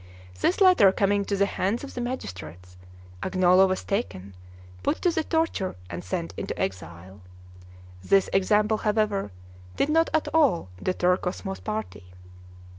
This letter coming to the hands of the magistrates, Agnolo was taken, put to the torture, and sent into exile. This example, however, did not at all deter Cosmo's party.